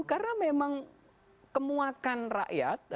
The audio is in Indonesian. karena memang kemuakan rakyat